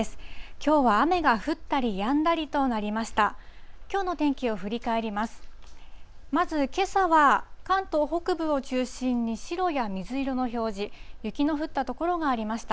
きょうは雨が降ったりやんだりとなりました。